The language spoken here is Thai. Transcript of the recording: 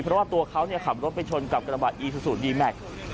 เพราะว่าตัวเขาขับรถไปชนกับกระบะอีซูซูดีแม็กซ์